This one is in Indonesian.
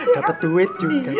dapat duit juga